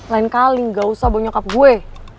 lain kali gak usah mau nyokap gue